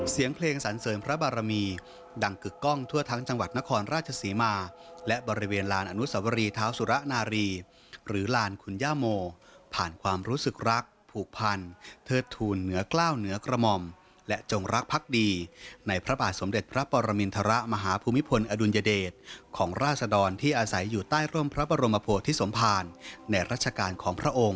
เสียงเพลงสรรเสริมพระบารมีดังกึกกล้องทั่วทั้งจังหวัดนครราชศรีมาและบริเวณลานอนุสวรีเท้าสุระนารีหรือลานคุณย่าโมผ่านความรู้สึกรักผูกพันเทิดทูลเหนือกล้าวเหนือกระหม่อมและจงรักพักดีในพระบาทสมเด็จพระปรมินทรมาฮภูมิพลอดุลยเดชของราศดรที่อาศัยอยู่ใต้ร่มพระบรมโพธิสมภารในรัชกาลของพระองค์